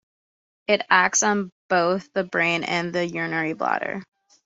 It acts on both the brain and the urinary bladder.